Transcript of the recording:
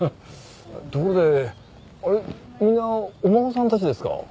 ところであれみんなお孫さんたちですか？